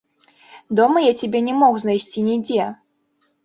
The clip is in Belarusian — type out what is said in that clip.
Дома я цябе не мог знайсці нідзе.